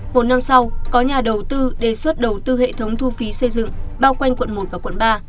một năm sau có nhà đầu tư đề xuất đầu tư hệ thống thu phí xây dựng bao quanh quận một và quận ba